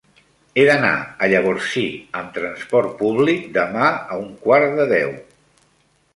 He d'anar a Llavorsí amb trasport públic demà a un quart de deu.